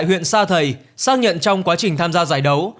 huyện sa thầy xác nhận trong quá trình tham gia giải đấu